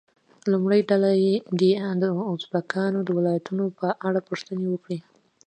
لومړۍ ډله دې د ازبکستان د ولایتونو په اړه پوښتنې وکړي.